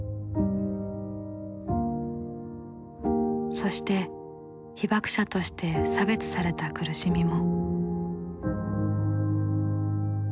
そして被爆者として差別された苦しみも。